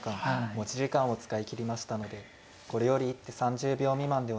持ち時間を使い切りましたのでこれより一手３０秒未満でお願いします。